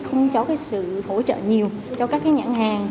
không cho sự hỗ trợ nhiều cho các nhãn hàng